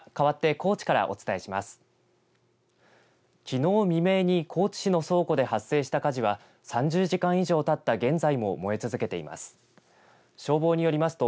きのう未明に高知市の倉庫で発生した火事は３０時間以上たった現在も燃え続けています。